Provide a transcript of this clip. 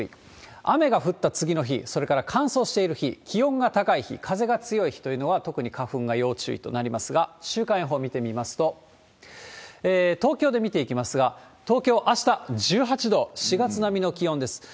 雨が降った次の日、それから乾燥している日、気温が高い日、風が強い日というのは、特に花粉が要注意となりますが、週間予報見て見ますと、東京で見ていきますが、東京、あした１８度、４月並みの気温です。